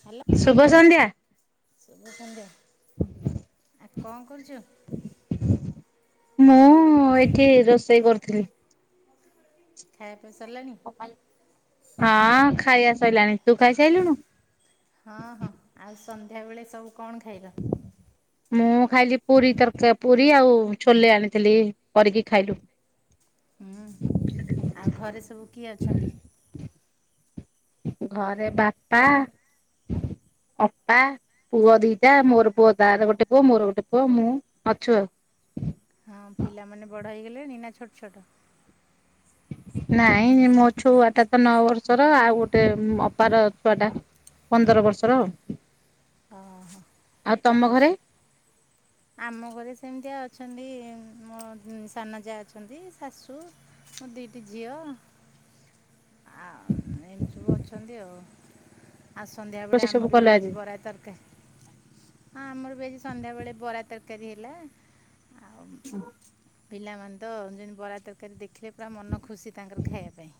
Hello ଶୁଭ ସନ୍ଧ୍ୟା। ଶୁଭ ସନ୍ଧ୍ୟା ଆଉ କଣ କରୁଛ? ମୁଁ ଏଠି ରୋଷେଇ କରୁଥିଲି। ଖାଇବା ପିବା ସରିଲାଣି? ହଁ ଖାଇବା ସଇଲାଣି ତୁ ଖାଇସାଇଲୁନି? ହଁ ହଁ ଆଉ ସନ୍ଧ୍ୟାବେଳେ ସବୁ କଣ ଖାଇଲ? ମୁଁ ଖାଇଲି ପୁରୀ ତରକା ପୁରୀ ଆଉ ଛୋଲେ ଆଣିଥିଲୁ କରିକି ଖାଇଲୁ। ହୁଁ ଆଉ ଘରେ ସବୁ କିଏ ଅଛନ୍ତି? ଘରେ ବାପା ଅପା ପୁଅ ଦିଟା ମୋର ପୁଅ ତାର ଗୋଟେ ପୁଅ ମୋର ଗୋଟେ ପୁଅ ମୁଁ ଅଛୁ ଆଉ। ହଁ ପିଲାମାନେ ବଡ଼ ହେଇଗଲେଣି ନା ଛୋଟ ଛୋଟ? ନାଇଁ ମୋ ଛୁଆଟା ତ ନଅ ବର୍ଷର ଆଉ ଗୋଟେ ଅପାର ଛୁଆ ଟା ପନ୍ଦର ବର୍ଷର ଆଉ ଓ ହୋ ଆଉ ତମ ଘରେ ଆସୁ ଆମ ଘରେ ସେମିତିଆ ଅଛନ୍ତି ମୋ ସାନ ଯା ଅଛନ୍ତି ଶାଶୁ ମୋ ଦିଟି ଝିଅ ଆଉ ଏମିତି ସବୁ ଅଛନ୍ତି ଆଉ ଆଉ ସନ୍ଧ୍ୟାବେଳେ ରୋଷେଇ ସବୁ ଆମର କଲ ବି ଆଜି? ଆଜିିବରା ତରକା ହଁ ଆମର ବି ଆଜି ସନ୍ଧ୍ୟାବେଳେ ବରା ତରକାରୀ ହେଲା ଆଉ ପିଲାମାନେ ତ ଯେମିତି ବରା ତରକାରୀ ଦେଖିଲେ ପୁରା ମନ ଖୁସି ତାଙ୍କର ଖାଇବା ପାଇଁ।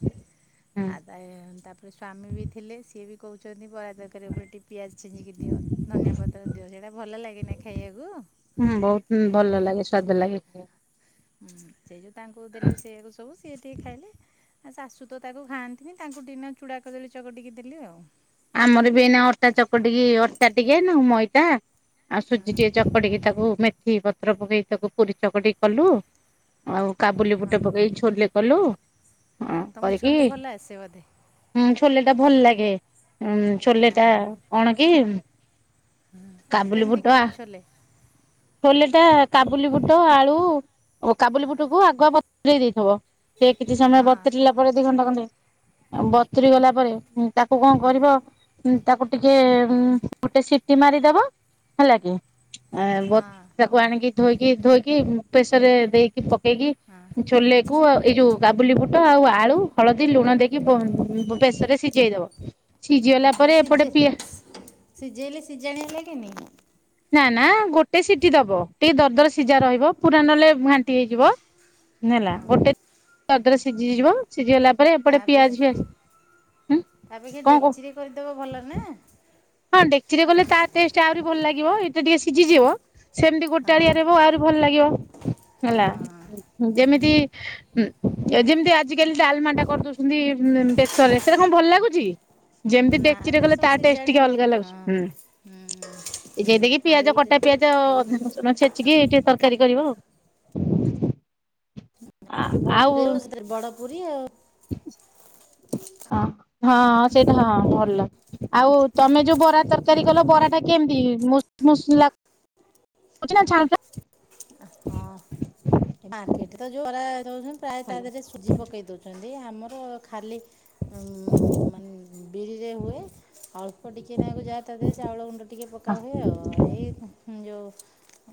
ହୁଁ ଆଉ ତା ତାପରେ ସ୍ଵାମୀ ବି ଥିଲେ ସିଏ ବି କହୁଛନ୍ତି ବରା ତରକାରି ଉପରେ ଟି ପିଆଜ ଛିଞ୍ଚିକି ଦିଅ ଧନିଆ ପତ୍ର ଦିଅ ସେଇଟା ଭଲ ଲାଗେନା ଖାଇବାକୁ। ହୁଁ ବହୁତ ଆଉ ଭଲ ସେ- ଲାଗେ ସ୍ୱା ଭଲ ଲାଗେ ହୁଁ। ସେଇ ଯୋଉ ତାଙ୍କୁ ଦେଲୁ ସେଇଆକୁ ସବୁ ସିଏ ଟିକେ ଖାଇଲେ। ଆ ଶାଶୁ ତ ତାକୁ ଖାଆନ୍ତିନି ତାଙ୍କୁ ଦିନ ଚୂଡ଼ାକଦଳୀ ଚକଟିକି ଦେଲି ଆଉ ଆମର ବି ଏଇନା ଅଟା ଚକଟିକି ଅଟା ଟିକେନୁ ମଇଦା ଆଉ ସୁଜି ହଁ ଟିକେ ଚକଟିକି ତାକୁ ମେଥି ପତ୍ର ପକେଇ ତାକୁ ପୁରୀ ଚକଟିକି କଲୁ। ଆଉ କାବୁଲି ବୁଟ ପକେଇକି ଛୋଲେ କଲୁ ହଁ ତମ କରିକି ଛୋଲେ ଭଲ ଆସେ ବୋଧେ ହୁଁ ଛୋଲେଟା ଭଲ ଲାଗେ ଉ ଛୋଲେ ହଁ ଟା କଣ କି? ହୁଁ କେମିତି କର ଛୋଲେ? ଛୋଲେଟା କାବୁଲି ବୁଟ ଆଳୁ କାବୁଲି ବୁଟକୁ ଆଗୁଆ ବତୁରେଇ ଦେଇଥବ। ସେ କିଛି ସମୟ ହଁ ବତୁରିଲା ପରେ ଦି ଘଣ୍ଟା ଖଣ୍ଡେ ଆଉ ବତୁରିଗଲା ପରେ ହୁଁ। ତାକୁ କଣ କରିବ ତାକୁ ଟିକେ ଗୋଟେ ସିଟି ମାରିଦବ ହେଲା କି? ଆ ବତ ହଁ ତାକୁ ଆଣିକି ଧୋଇକି ଧୋଇକି ପ୍ରେସରରେ ଦେଇକି ପକେଇକି ହଁ। ଛୋଲେ କୁ ଆଉ ଏଇ ଯୋଉ କାବୁଲି ବୁଟ ଆଉ ଆଳୁ ହଳଦୀ ଲୁଣ ଦେଇକି ପ୍ରେସରରେ ସିଝେଇଦବ। ସିଝିଗଲା ହଁ ପରେ ସିଝେ ଏପଟେ ପିଆ ସିଝେଇଲେ ସିଝାଣିଆ ଲାଗେନି। ନା ନା ଗୋଟେ ସିଟି ଦବ ଟିକେ ଦରଦର ସିଝା ରହିବ ପୁରା ନଲେ ଘାଣ୍ଟି ହେଇଯିବ। ନେଲା ଗୋଟେ ଦରେ ସିଝିହେଇଯିବ। ସିଝିଗଲା ପରେ ତା ଏପଟେ ଅପେକ୍ଷା ପିଆଜ ଫିଆଜ ଉଁ କଣ କହ? କରିଦବ ଭଲ ନା? ହଁ ଡେକଚିରେ କଲେ ତା ଟେଷ୍ଟ ଆହୁରି ଭଲ ଲାଗିବ ଏଇଟା ଟିକେ ସିଝିଯିବ। ସେମିତି ହଁ ଗୋଟାଳିଆ ରହିବ ଆହୁରି ଭଲ ଲାଗିବ। ହେଲା ହଁ। ଯେମିତି ଅ ଉଁ ଯେମିତି ଆଜିକାଲି ଡାଲମାଟା କରିଦଉଛନ୍ତି ବେସରରେ ସେ କଣ ଭଲ ଲାଗୁଛି? ଯେମିତି ନା ଡେକ୍ଚିରେ ସେ କଲେ ସବୁ ତା ଟେସ୍ ଷ୍ଟ ସିଜାଣି ଟିକେ ହେଲେ ଅଲଗା ଲାଗୁଛି ହଁ ହୁଁ ଯେତିକି ଆଉ ପିଆଜ କଟା ଏଇଟା ପିଆଜ। ଛେଚିକି ଟିକେ ତରକାରୀ କରିବ ଆଉ। ଆଉ ଭଟେଲୁ ସେଥିରେ ବଡ଼ ପୁରୀ ଆଉ [inaudible] ହଁ ହଁ ସେଇଟା ହଁ ଭଲ। ଆଉ ତମେ ଯୋଉ ବରା ତରକାରୀ କଲ ହଁ ବରାଟା କେମିତି ମୁ ମୁସ୍ ଲା କରୁଚ ନା ଛାଣୁଚ ହଁ। ମାର୍କେଟ ତ ଯୋଉ ବରା ଦଉଛନ୍ତି ପ୍ରାୟ ତା ଦେହରେ ଛାଣୁଛ? ସୁଜି ପକେଇ ଦଉଛନ୍ତି।। ଆମର ଖାଲି ହୁଁ ମାନେ ବିରିରେ ହୁଏ। ଅଳ୍ପ ଟିକେ ନାକୁ ଯାହା ତା ଦେହରେ ଚାଉଳ ଗୁଣ୍ଡ ଟିକେ ପକା ହୁଏ। ଆଉ ଏଇ ଯେଉଁ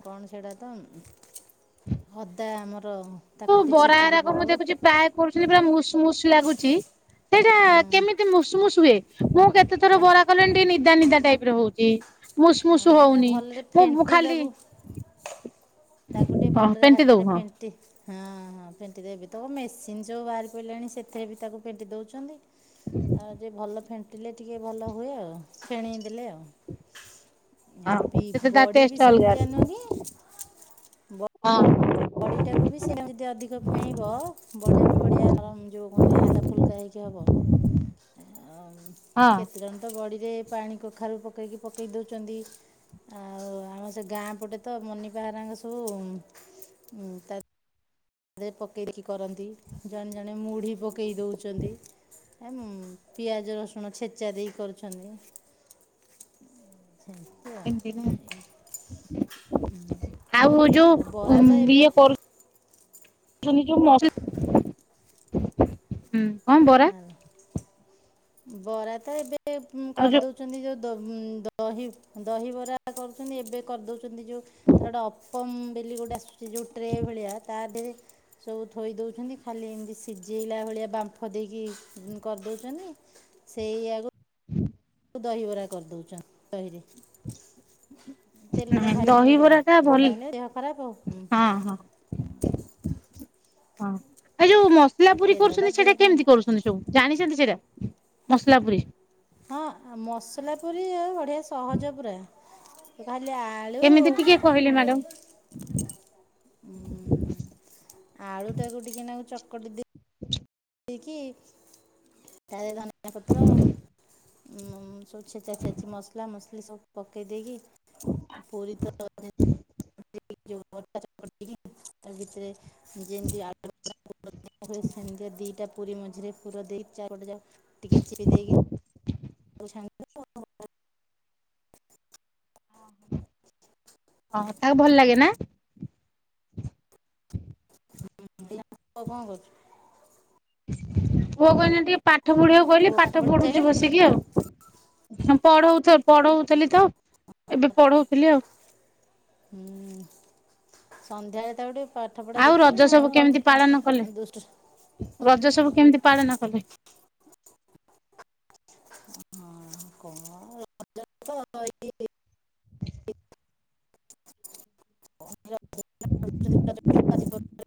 କଣ ସେଇଟା ତ ଅଦା ଆମର କୁ ତାକୁ ଟିକେ ବରା ଛେଚିକି ହେରାକ ମୁଁ ପକଉ। ଦେଖୁଛି ପ୍ରାୟ କରୁଛନ୍ତି ପୁରା ମୁଶ୍ ମୁଶ୍ ଲାଗୁଛି ସେଇଟା କେମିତି ମୁଷୁମୁସ ହୁଏ। ମୁଁ କେତେ ଥର ତା ବରା କଲିଣି ଟିକେ ନିଦା ନିଦା ଟାଇପର ହଉଛି। ମୁଷୁ ମୁଷୁ ନାଇଁ ତାକୁ ହଉନି ଭଲରେ ମୁଁ ଫେଣ୍ଟି ଖାଲି ଦେବୁ ତାକୁ ଟିକେ ହଁ ଭଲରେ ପେଣ୍ଟି ଦବୁ ହାତରେ ହଁ। ଫେ ଣ୍ଟି ହଁ ହଁ ପେଣ୍ଟି ଦେବି ତ ମେସିନ୍ ସବୁ ବାହାରି ପଡ଼ିଲାଣି ସେଥିରେ ବି ତାକୁ ପେଣ୍ଟି ଦେଉଛନ୍ତି। ଆଉ ଯେ ଭଲ ଫେଣ୍ଟିଲେ ଟିକେ ଭଲ ହୁଏ, ଆଉ ଫେଣେଇ ଦେଲେ ଆଉ। ଏ ହଁ ବି ସେତେ ତା ବଡି ଟେଷ୍ଟ ବି ଅଲଗା ସେମିତି ଆସେ ନୁଁଅକି ହଁ। ବଡ଼ିଟାକୁ ବି ସେ ଯଦି ଅଧିକ ଫେଣେଇବ, ବଡ଼ିଟା ବି ବଢିଆ ନରମ ଯୋଉ ମାନେ ହାଲା ଫୁଲ କା ହେଇକି ହବ। ଅ ହଁ କେତେ ଜନ୍ ତ ବଡ଼ିରେ ପାଣି କଖାରୁ ପକେଇକି ପକେଇ ଦେଉଛନ୍ତି। ଆଉ ଆମ ସେ ଗାଁ ପଟେ ତ ମନିପା ହରାଙ୍କ ସବୁ ତା ତାରେ ପକେଇକି କରନ୍ତି ଜଣେ ଜଣେ ମୁଢି ପକେଇ ଦଉଛନ୍ତି। ଆ ପିଆଜ ରସୁଣ ଛେଚା ଦେଇ କରୁଛନ୍ତି। [unintelligible] [unintelligible] ଆଉ ଯୋଉ ଉଁ ବରା ତ ଏବେ ଇଏ କରୁ [unintelligible] ବରା ତ ଏବେ ଆଉ ଯୋଉ କରିଦ ଉଚନ୍ତି ଯୋଉ ଦ-ଦହି-ଦହିବରା କରୁଛନ୍ତି ଏବେ କରିଦଉ ଛନ୍ତି ଯୋଉ ତାର ଗୋଟେ ଅପମ ବୋଲି ଗୋଟେ ଆ ସୂଚି ଯୋଉ ଟ୍ରେ ଭଳିଆ, ତା ଦେହରେ ସବୁ ଥୋଇ ଦେଉଛନ୍ତି ଖାଲି ଏମିତି ସିଝେଇଲା ଭଳିଆ ବାମ୍ପ ମ୍ଫ ଦେଇକି କରିଦଉଛନ୍ତି ସେଇ ଆଗ କୁ ଦହିବରା କରିଦେଉଛନ୍ତି। ଦହିରେ ତେଲରା ନାଇଁ ଖାଇବେନି ବୋଲି, ଦହିବରା ଆଉ ଟା ତେଲ ଭଲ ଖାଇଲେ ଦେହ ଖରାପ ହୁଁ। ହଁ ହଁ। ହଁ ଏ ଯୋଉ ମସଲା ପୁରୀ ତେଲଟା କରୁଛନ୍ତି, ଦେହ ସେଇଟା ପାଇଁ କେମିତି କରୁଛନ୍ତି ସବୁ? ଜାଣିଛନ୍ତି ସେଇଟା ମସଲା ପୁରୀ? ହଁ ଅ ମସଲା ପୁରୀ ଆଉ ବଢିଆ ସହଜ ପୁରା! ଖାଲି ଆ ଆଳୁ କେମିତି ଟିକେ କହିଲେ ମ୍ୟାଡାମ? ହୁଁ ଆଳୁ ଟାକୁ ଟିକେ ନାଗୁ ଚକଟି ଦେ [inaudible] ଟିକି ତା ଧନିଆ ପତ୍ର। [unintelligible] ସବୁ ଛେଚା ଛେଚି ମସଲା ମସଲି ସବୁ ପକେଇ ଦେଇକି ଆ ପୁରି ତ [unintelligible] [unintelligible] ତା ଭିତରେ ନିଜେ [unintelligible] [unintelligible] ସନ୍ଧ୍ୟା ଦିଟା ପୁରୀ ମଝିରେ ପୁର ଦେଇ ଚାରିପଟା ଯାଉ ଟିକେ ଚିପି ଦେଇକି [unintelligible] ଓହ ତାକୁ ଭଲ ଲାଗେ ନା? [unintelligible] କଣ କରୁଛୁ? ହଁ କହିଲି ଟିକେ ପାଠ ପଢିବାକୁ କହିଲେ ପୁଅ ପାଠ ପଢି ପଢୁଛି ସାରିଲାଣି? ବସିକି ଆଉ। ହ ପଢ ପଢଉଥିଲି ତ ଏବେ ପଢଉଥିଲି ଆଉ ହୁଁ ସନ୍ଧ୍ୟାବେଳେ ତା ଗୋଟେ ପାଠ ପଢ଼ା ଆଉ ଦେଖ ରଜ ନା ସବୁ କେମିତି ପାଳନ କଲେ? ଆଉ ଦୁଷ୍ଟ ରଜ ସବୁ କେମିତି ପାଳନ କଲେ? ହଁ କଣ [unintelligible] [unintelligible]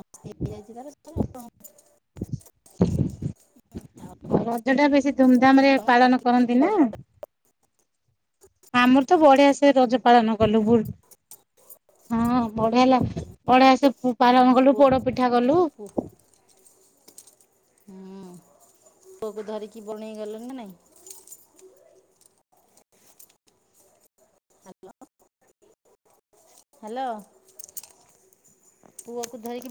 [unintelligible] ଆଉ ରଜ ଟା ବେଶୀ ଧୁମଧାମ ରେ ତମ ପାଳନ ଘରେ କିଏ? କରନ୍ତି ନା। ଆମର ତ ବଢିଆ ସେ ରଜ ପାଳନ କଲୁ ଭୁଲ। ହଁ ବଢିଆ ହେ ଲାଗ ବଢିଆ ସେ ପାଳନ କଲୁ ପୁଅ ପୋଡ ପିଠା କଲୁ। ପୁଅ- ହୁଁ। ପୁଅକୁ ଧରିକି ବଣେଇ ଗଲ ନା ନାଇଁ। ହ୍ୟାଲୋ ପୁଅକୁ ଧରିକି